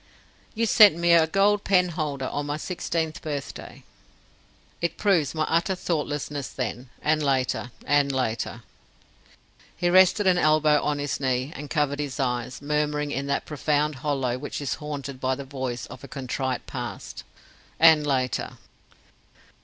"You sent me a gold pen holder on my sixteenth birthday." "It proves my utter thoughtlessness then, and later. And later!" He rested an elbow on his knee, and covered his eyes, murmuring in that profound hollow which is haunted by the voice of a contrite past: "And later!"